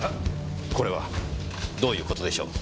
これはどういう事でしょう？